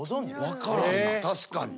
分からんな確かに。